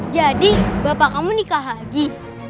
jadi bapak kamu nikah hagi